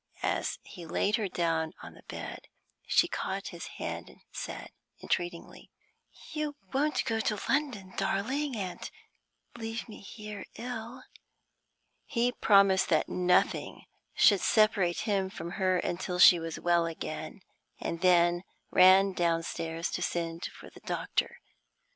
As he laid her down on the bed, she caught his hand, and said, entreatingly: "You won't go to London, darling, and leave me here ill?" He promised that nothing should separate him from her until she was well again, and then ran downstairs to send for the doctor.